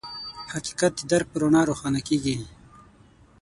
حقیقت د درک په رڼا روښانه کېږي.